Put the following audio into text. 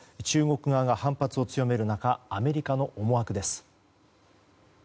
中国側が反発を強める中アメリカの思惑です。